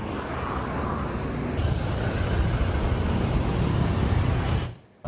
ketika di temukan terduga pelaku